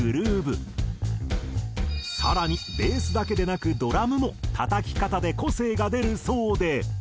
更にベースだけでなくドラムも叩き方で個性が出るそうで。